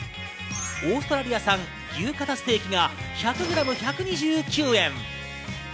オーストラリア産牛肩ステーキが１００グラム１２９円。